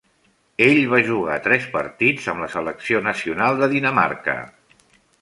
Ell va jugar tres partits amb la selecció nacional de Dinamarca.